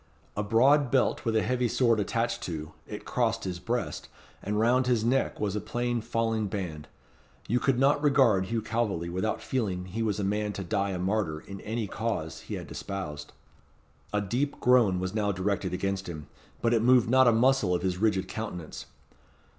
A broad belt with a heavy sword attached to, it crossed his breast, and round his neck was a plain falling band. You could not regard Hugh Calveley without feeling he was a man to die a martyr in any cause he had espoused. A deep groan was now directed against him. But it moved not a muscle of his rigid countenance.